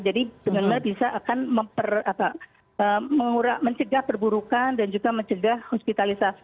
jadi sebenarnya bisa akan mencegah perburukan dan juga mencegah hospitalisasi